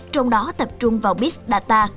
trong đó tập trung vào big data